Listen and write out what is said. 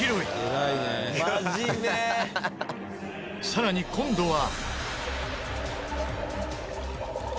さらに今度は。